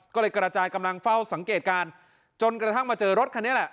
ก็เลยกระจายกำลังเฝ้าสังเกตการณ์จนกระทั่งมาเจอรถคันนี้แหละ